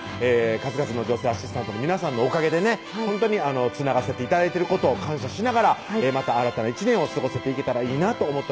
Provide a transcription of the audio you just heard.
数々の女性アシスタントの皆さんのおかげでねつながせて頂いてることを感謝しながら新たな１年を過ごせていけたらいいなと思っております